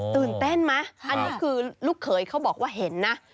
ตื่นเต้นไหมอันนี้คือลูกเขยเขาบอกว่าเห็นนะ